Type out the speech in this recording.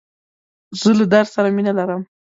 زه له درس سره مینه لرم.